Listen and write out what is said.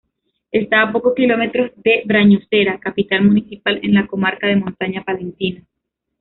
Está a pocos kilómetros de Brañosera, capital municipal, en la comarca de Montaña Palentina.